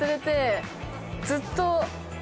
ずっと。